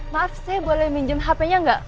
maaf saya boleh minjem hp nya nggak